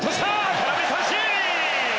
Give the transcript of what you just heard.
空振り三振！